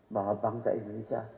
bahwa bangsa indonesia